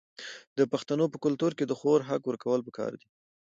د پښتنو په کلتور کې د خور حق ورکول پکار دي.